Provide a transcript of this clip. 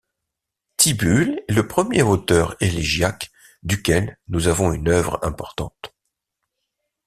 Tibulle est le premier auteur élégiaque duquel nous avons une œuvre importante.